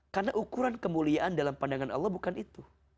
karena ukuran kemuliaan dalam pandangan allah bukan itu